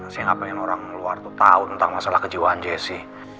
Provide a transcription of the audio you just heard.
saya gak pengen orang luar tau tentang masalah kejiwaan jessy